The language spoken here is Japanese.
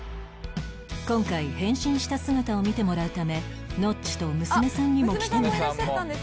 今回変身した姿を見てもらうためノッチと娘さんにも来てもらった